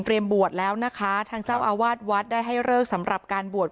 บวชแล้วนะคะทางเจ้าอาวาสวัดได้ให้เลิกสำหรับการบวช